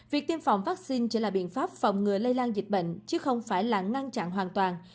việc tiêm phòng vaccine chỉ là biện pháp phòng ngừa lây lan dịch bệnh chứ không phải là ngăn chặn hoàn toàn